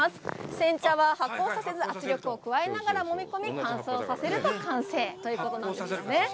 煎茶は発酵させず圧力を加えながらもみ込み、乾燥させると完成ということなんですよね。